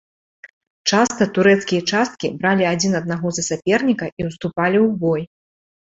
Часта турэцкія часткі бралі адзін аднаго за саперніка і ўступалі ў бой.